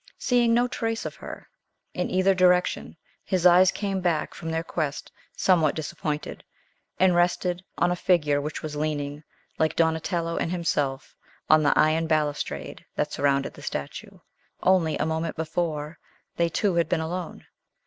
Seeing no trace of her in either direction, his eyes came back from their quest somewhat disappointed, and rested on a figure which was leaning, like Donatello and himself, on the iron balustrade that surrounded the statue. Only a moment before, they two had been alone.